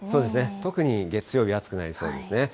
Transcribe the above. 特に月曜日、暑くなりそうですね。